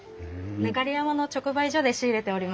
流山の直売所で仕入れております。